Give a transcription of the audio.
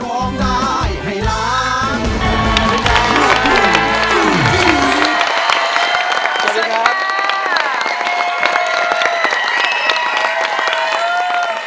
สวัสดีครับ